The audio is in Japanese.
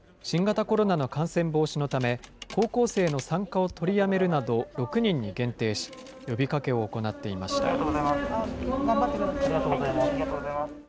新型コロナの感染防止のため、高校生の参加を取りやめるなど６人に限定し、呼びかけを行っていました。